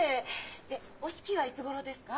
でお式はいつごろですか？